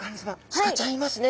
シカちゃんいますね。